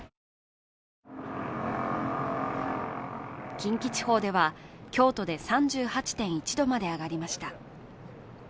近畿地方では、京都で３８．１度まで上がりました。